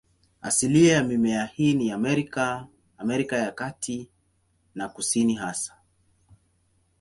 Asilia ya mimea hii ni Amerika, Amerika ya Kati na ya Kusini hasa.